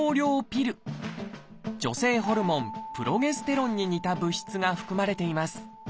女性ホルモンプロゲステロンに似た物質が含まれています。